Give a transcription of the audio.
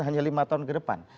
hanya lima tahun ke depan